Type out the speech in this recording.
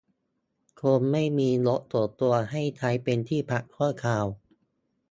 คนไม่มีรถส่วนตัวให้ใช้เป็นที่พักชั่วคราว